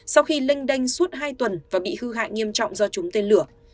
sau khi lênh đanh suốt hai tuần và bị hư hại nghiêm trọng do trúng tên lửa